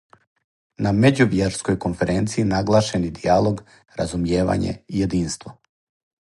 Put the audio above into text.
На меđувјерској конференцији наглашени дијалог, разумијевање и јединство